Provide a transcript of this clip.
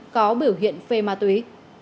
có biểu hiện phê ma túy